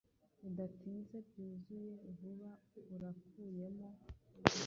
Bidatinze byuzuye vuba Urakuyemo